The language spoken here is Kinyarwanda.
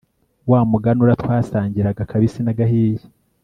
wa muganura twasangiraga akabisi nagahiye